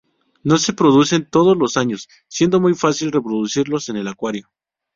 No se reproducen todos los años, siendo muy fácil reproducirlos en el acuario.